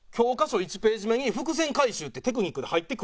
１ページ目に伏線回収ってテクニックで入ってくるような。